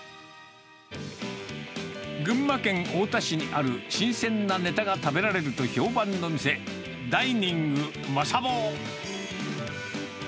群馬県太田市にある新鮮なネタが食べられると評判の店、ダイニングまさ坊。